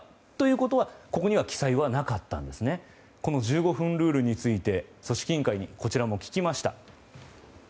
この１５分ルールについて組織委員会にこちらも聞きました。